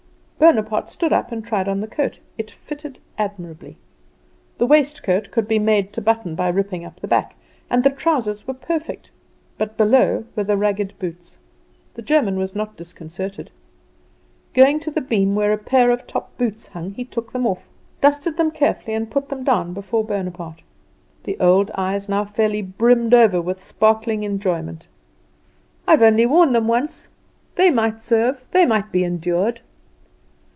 Bonaparte stood up and tried on the coat. It fitted admirably; the waistcoat could be made to button by ripping up the back, and the trousers were perfect; but below were the ragged boots. The German was not disconcerted. Going to the beam where a pair of top boots hung, he took them off, dusted them carefully, and put them down before Bonaparte. The old eyes now fairly brimmed over with sparkling enjoyment. "I have only worn them once. They might serve; they might be endured."